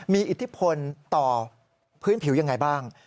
มีอิทธิพลต่อพื้นผิวยังไงบ้าง